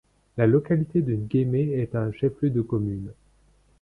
La localité de N’guiémé est un chef-lieu de commune.